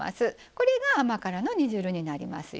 これが甘辛の煮汁になりますよ。